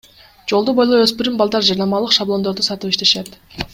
Жолду бойлой өспүрүм балдар жарнамалык шаблондорду сатып иштешет.